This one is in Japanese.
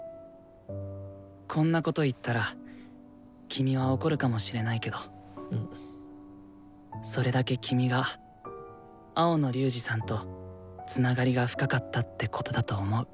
こんなこと言ったら君は怒るかもしれないけどそれだけ君が青野龍仁さんとつながりが深かったってことだと思う。